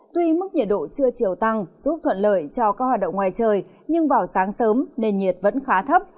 tuy mức nhiệt độ trưa chiều tăng giúp thuận lợi cho các hoạt động ngoài trời nhưng vào sáng sớm nền nhiệt vẫn khá thấp